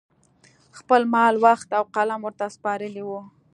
خپل مال، وخت او قلم ورته سپارلي وو